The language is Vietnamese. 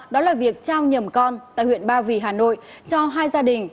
đó là việc trao nhầm con tại huyện ba vì hà nội cho hai gia đình